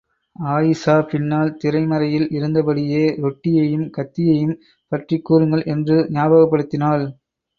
அயீஷா பின்னால் திரைமறையில் இருந்தபடியே ரொட்டியையும் கத்தியையும் பற்றிக் கூறுங்கள் என்று ஞாபகப்படுத்தினாள்.